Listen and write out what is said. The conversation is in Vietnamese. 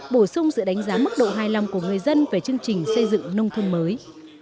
bổ sung sự đánh giá mức độ hài lòng của người dân về chương trình xây dựng nông thôn mới